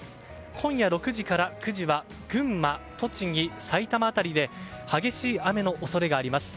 今夜６時から９時は群馬、栃木、埼玉辺りで激しい雨の恐れがあります。